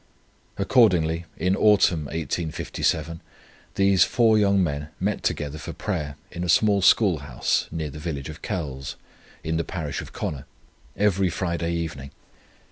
Accordingly in Autumn, 1857, these four young men met together for prayer in a small school house near the village of Kells, in the parish of Connor, every Friday evening.